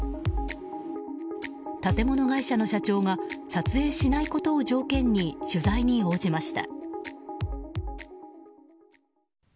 建物会社の社長が撮影しないことを条件に取材に応じました。